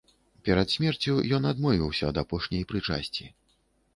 Перад смерцю ён адмовіўся ад апошняй прычасці.